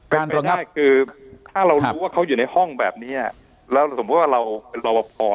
ถ้าเรารู้ว่าเขาอยู่ในห้องแบบนี้แล้วสมมุติว่าเราเป็นรอบพอ